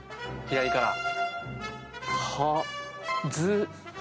左から。